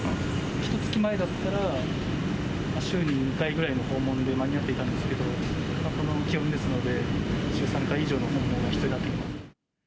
ひとつき前だったら、週に２回ぐらいの訪問で間に合っていたんですけど、この気温ですので、週３回以上の訪問が必要になってきます。